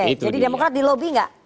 jadi demokrat di lobi nggak